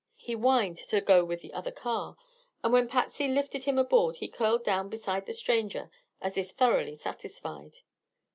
He whined to go with the other car, and when Patsy lifted him aboard he curled down beside the stranger as if thoroughly satisfied.